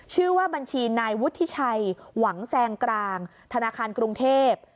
ชื่อว่าบัญชีนายวุฒิชัยหวังแซงกลางธนาคารกรุงเทพ